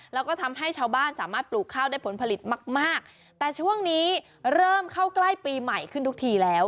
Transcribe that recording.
แล้วก็ทำให้ชาวบ้านสามารถปลูกข้าวได้ผลผลิตมากมากแต่ช่วงนี้เริ่มเข้าใกล้ปีใหม่ขึ้นทุกทีแล้ว